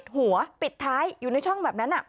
หัวปิดท้ายอยู่ในช่องแบบนั้น